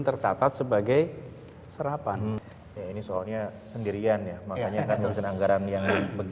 tercatat sebagai serapan ini soalnya sendirian ya makanya kan kerja nthat anggaran yang wrong